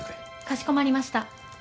かしこまりました。